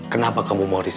kenapa kamu mau resign